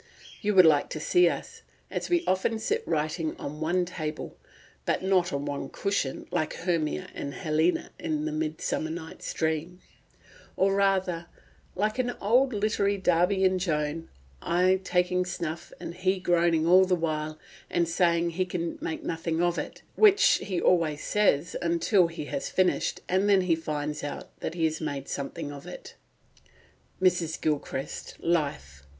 You would like to see us, as we often sit writing on one table (but not on one cushion sitting, like Hermia and Helena in the Midsummer Nights Dream); or rather, like an old literary Darby and Joan, I taking snuff, and he groaning all the while and saying he can make nothing of it, which he always says till he has finished, and then he finds out that he has made something of it" (Mrs. Gilchrist's Life, p.